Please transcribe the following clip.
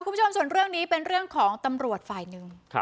คุณผู้ชมส่วนเรื่องนี้เป็นเรื่องของตำรวจฝ่ายหนึ่ง